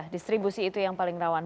distribusi itu yang paling rawan